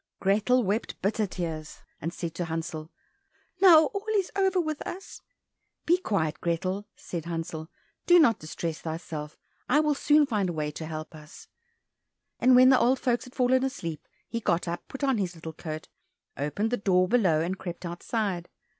Grethel wept bitter tears, and said to Hansel, "Now all is over with us." "Be quiet, Grethel," said Hansel, "do not distress thyself, I will soon find a way to help us." And when the old folks had fallen asleep, he got up, put on his little coat, opened the door below, and crept outside.